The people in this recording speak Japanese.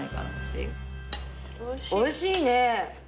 おいしいね。